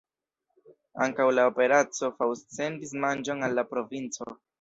Ankaŭ la Operaco Faust sendis manĝon al la provinco.